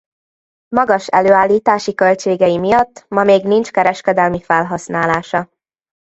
Magas előállítási költségei miatt ma még nincs kereskedelmi felhasználása.